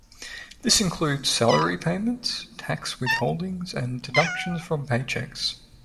This includes salary payments, tax withholdings, and deductions from paychecks.